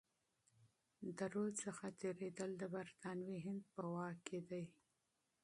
د رود څخه تیریدل د برتانوي هند په واک کي دي.